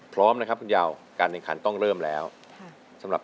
ใช้เลยครับ